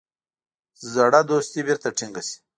زړه دوستي بیرته ټینګه سي.